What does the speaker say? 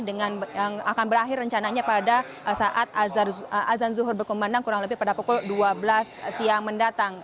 dengan yang akan berakhir rencananya pada saat azan zuhur berkumandang kurang lebih pada pukul dua belas siang mendatang